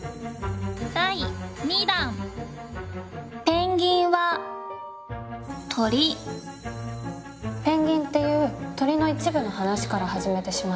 ペンギンは鳥ペンギンっていう鳥の一部の話から始めてしまっている。